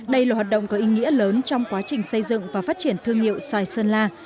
đây là hoạt động có ý nghĩa lớn trong quá trình xây dựng và phát triển thương hiệu xoài sơn la